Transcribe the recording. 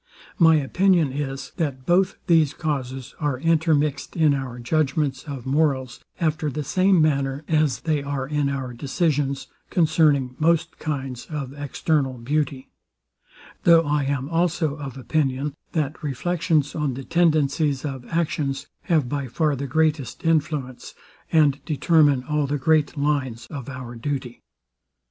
My opinion is, that both these causes are intermixed in our judgments of morals; after the same manner as they are in our decisions concerning most kinds of external beauty: Though I am also of opinion, that reflections on the tendencies of actions have by far the greatest influence, and determine all the great lines of our duty.